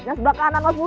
yang sebelah kanan mas pur